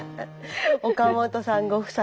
岡本さんご夫妻